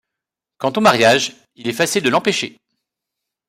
Quant au mariage, il est facile de l’empêcher.